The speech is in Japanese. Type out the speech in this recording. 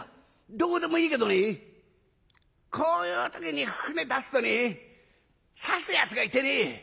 どうでもいいけどねこういう時に舟出すとねさすやつがいてね